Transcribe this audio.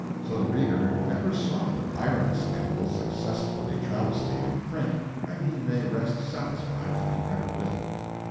So the reader never saw the "Byron Scandal" successfully travestied in print, and he may rest satisfied that he never will.